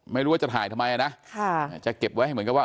ไม่รู้ว่าจะถ่ายทำไมนะจะเก็บไว้ให้เหมือนกับว่า